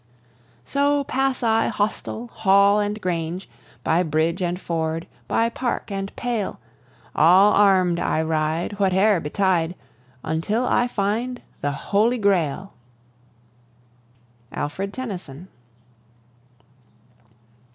So pass I hostel, hall, and grange; By bridge and ford, by park and pale, All arm'd I ride, whate'er betide, Until I find the holy Grail. ALFRED TENNYSON.